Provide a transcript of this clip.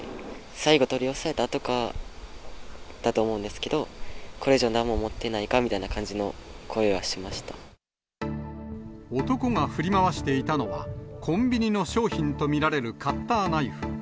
最後、取り押さえたあとだと思いますけど、これ以上、なんも持ってない男が振り回していたのは、コンビニの商品と見られるカッターナイフ。